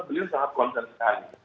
beliau sangat konsen sekali